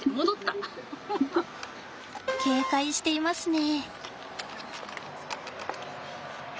警戒していますね。